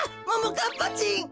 かっぱちん。